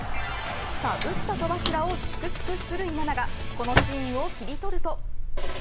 さあ打った戸柱を祝福するこのシーンをキリトると。